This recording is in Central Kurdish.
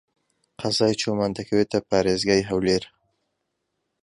قەزای چۆمان دەکەوێتە پارێزگای هەولێر.